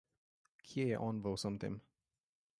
Kje je on v vsem tem?